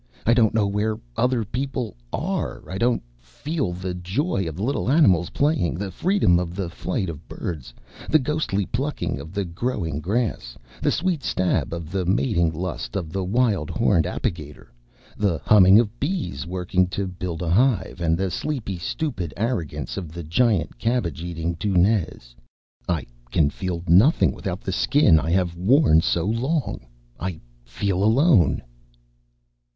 I don't know where other people are. I don't feel the joy of the little animals playing, the freedom of the flight of birds, the ghostly plucking of the growing grass, the sweet stab of the mating lust of the wild horned apigator, the humming of bees working to build a hive, and the sleepy stupid arrogance of the giant cabbage eating deuxnez. I can feel nothing without the Skin I have worn so long. I feel alone."